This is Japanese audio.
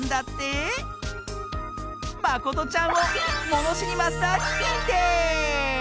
まことちゃんをものしりマスターににんてい！